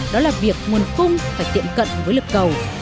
đó là việc nguồn cung phải tiệm cận với lực cầu